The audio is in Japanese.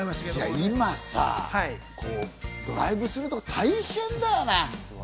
今さ、ドライブスルーとか大変だよね。